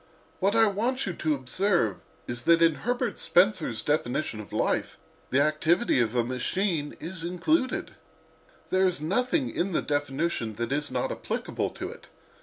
What I want you to observe is that in Herbert Spencer's definition of 'life' the activity of a machine is included—there is nothing in the definition that is not applicable to it.